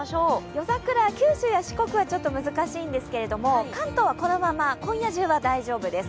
夜桜、九州や四国はちょっと難しいんですけど、関東は今夜中は大丈夫です。